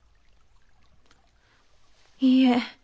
いいえ。